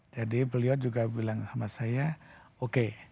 jadi beliau juga bilang sama saya oke